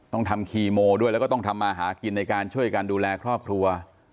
ต้องทำครีโมด้วยแล้วก็ต้องทำอาหารกินช่วยดูแลครอบครัว